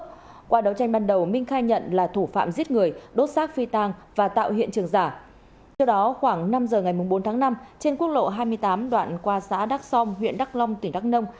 trước đó khoảng năm giờ ngày bốn tháng năm trên quốc lộ hai mươi tám đoạn qua xã đắk som huyện đắk long tỉnh đắk nông